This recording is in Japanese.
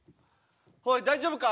「おい大丈夫か？」。